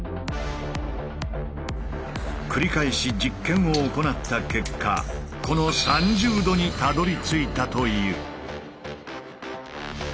繰り返し実験を行った結果この３０°にたどりついたという。